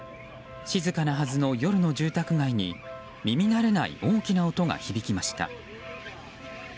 静かなはずの夜の住宅街に耳慣れない大きな音が響きました。